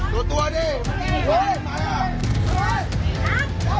มีประวัติศาสตร์ที่สุดในประวัติศาสตร์